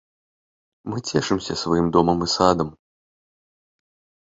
Мы цешымся сваім домам і садам.